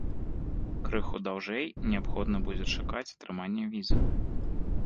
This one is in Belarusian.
Крыху даўжэй неабходна будзе чакаць атрымання візы.